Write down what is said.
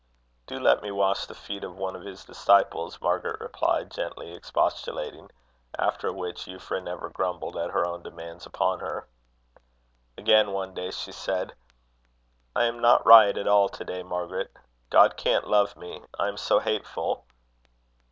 "Do let me wash the feet of one of his disciples;" Margaret replied, gently expostulating; after which, Euphra never grumbled at her own demands upon her. Again, one day, she said: "I am not right at all to day, Margaret. God can't love me, I am so hateful."